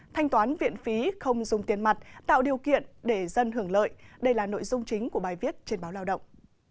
thanh toán viện phí không dùng tiền mặt tạo điều kiện để dân hưởng lợi đây là nội dung chính của bài viết trên báo lao động